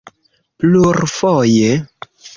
plurfoje